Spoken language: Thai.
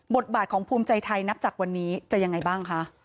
บทบาทของภูมิใจไทยนับจากวันนี้จะยังไงบ้างคะ